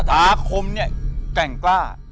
อาคมเนี่ยแกร่งกล้า